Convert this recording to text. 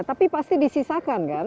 tapi pasti disisakan kan